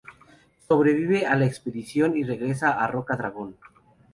Sobrevive a la expedición y regresa a Rocadragón.